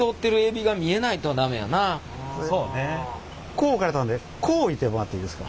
こう置かれたのでこう置いてもらっていいですか。